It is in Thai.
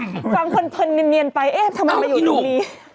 ฟังเพลินเนียนไปเอ๊ะทำไมมาอยู่ตรงนี้